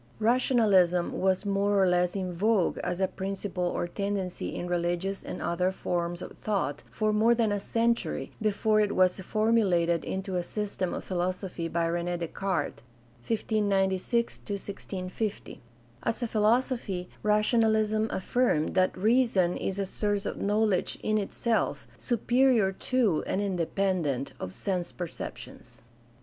Rationalism was more or less in vogue as a principle or tendency in religious and other forms of thought for more than a century before it was formulated into a system of philosophy by Rene Descartes ( 1 596 1650). As a philosophy, rationalism affirmed that "reason is a source of knowledge in itself, superior to and independent of sense perceptions."